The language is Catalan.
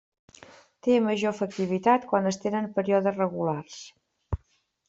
Té major efectivitat quan es tenen períodes regulars.